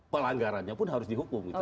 pelanggarannya pun harus dihukum